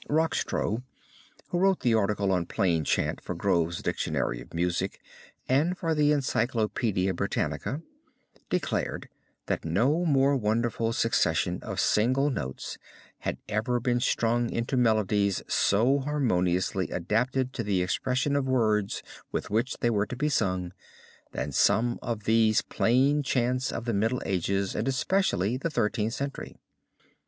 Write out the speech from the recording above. Rockstro, who wrote the article on Plain Chant for Grove's Dictionary of Music and for the Encyclopedia Britannica, declared that no more wonderful succession of single notes, had even been strung into melodies so harmoniously adapted to the expression of the words with which they were to be sung, than some of these Plain Chants of the Middle Ages and especially of the Thirteenth Century.